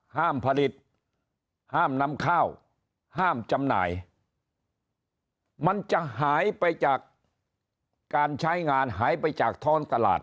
ห้ามผลิตห้ามนำข้าวห้ามจำหน่ายมันจะหายไปจากการใช้งานหายไปจากท้อนตลาด